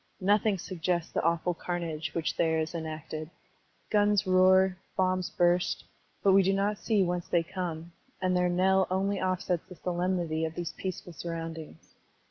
Nothing suggests the awful carnage which there is enacted. Gtms roar, bombs burst, but we do not see whence they come, and their knell only offsets the solemnity of these peaceful surrotmdings.